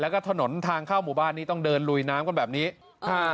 แล้วก็ถนนทางเข้าหมู่บ้านนี้ต้องเดินลุยน้ำกันแบบนี้ค่ะ